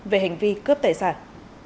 về hành vi cướp tài sản